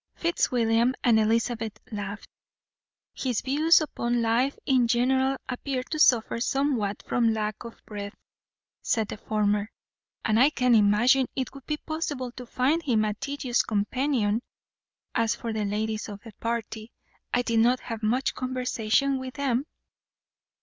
Fitzwilliam and Elizabeth laughed. "His views upon life in general appeared to suffer somewhat from lack of breadth," said the former, "and I can imagine it would be possible to find him a tedious companion. As for the ladies of the party, I did not have much conversation with them."